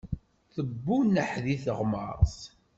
Tebbuneḥ di teɣmert.